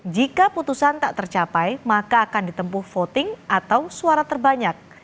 jika putusan tak tercapai maka akan ditempuh voting atau suara terbanyak